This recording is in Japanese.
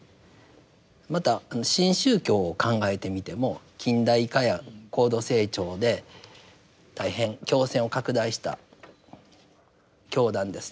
また新宗教を考えてみても近代化や高度成長で大変教勢を拡大した教団ですね。